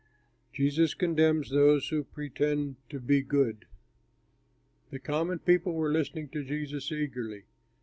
JESUS CONDEMNS THOSE WHO PRETEND TO BE GOOD The common people were listening to Jesus eagerly.